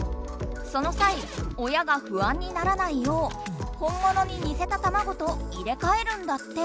そのさい親がふあんにならないよう本物ににせた卵と入れかえるんだって。